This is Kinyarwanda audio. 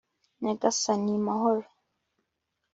nyagasani mahoro